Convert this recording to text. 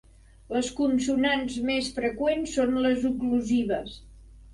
Les consonants més freqüents són les oclusives.